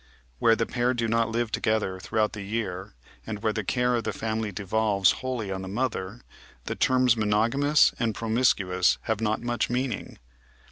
Where the pair do not live together throughout the year, and where the care of the family devolves wholly on the mother, the terms monogamous and promiscuous have not much meaning.